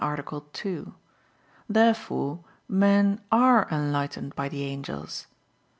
Therefore men are enlightened by the angels.